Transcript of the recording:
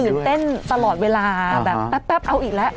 เต้นตลอดเวลาแบบแป๊บเอาอีกแล้ว